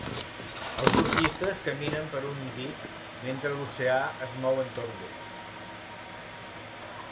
Els surfistes caminen per un dic mentre l'oceà es mou entorn d'ells.